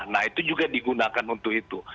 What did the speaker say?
nah itu juga digunakan untuk itu